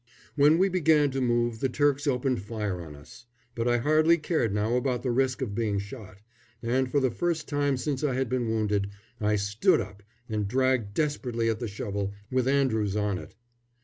When we began to move the Turks opened fire on us; but I hardly cared now about the risk of being shot, and for the first time since I had been wounded I stood up and dragged desperately at the shovel, with Andrews on it.